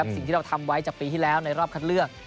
สิ่งที่เราทำไว้จากปีที่แล้วในรอบคัดเลือก